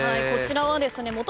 こちらはですね